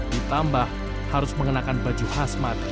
ditambah harus mengenakan baju khas mat